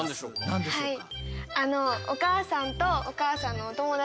何でしょうか？